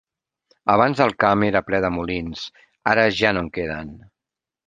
Abans el camp era ple de molins, ara ja no en queden.